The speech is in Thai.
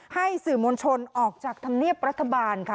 ให้สื่อมวลชนออกจากธรรมเนียบรัฐบาลค่ะ